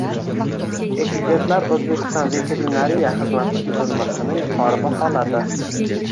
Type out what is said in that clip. Ekspertlar O‘zbekiston veterinariya xizmati tuzilmasini yuqori baholading